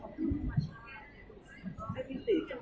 เวลาแรกพี่เห็นแวว